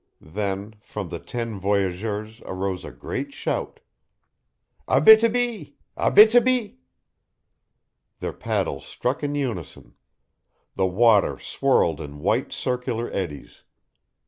Then from the ten voyageurs arose a great shout. "Abítibi! Abítibi!" Their paddles struck in unison. The water swirled in white, circular eddies.